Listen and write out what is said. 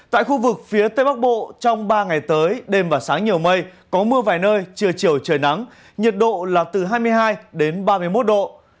tại khu vực phía tây bắc bộ trong ba ngày tới đêm và sáng nhiều mây có mưa vài nơi trưa chiều trời nắng nhiệt độ là từ hai mươi hai đến ba mươi một độ